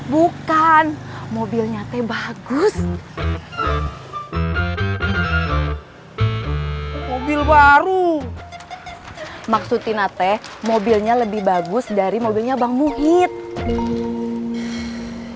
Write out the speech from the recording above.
bukan mobilnya teh bagus mobil baru maksudinate mobilnya lebih bagus dari mobilnya bang muhyidd